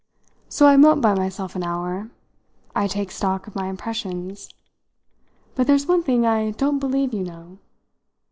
So I mope by myself an hour I take stock of my impressions. But there's one thing I don't believe you know.